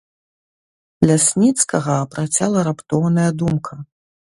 Лясніцкага працяла раптоўная думка.